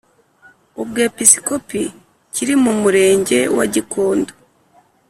Ubwepiskopi kiri mu Murenge wa Gikondo